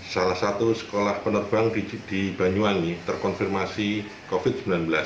salah satu sekolah penerbang di banyuwangi terkonfirmasi covid sembilan belas